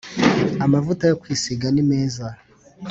amvuta yo kwisiga ni meza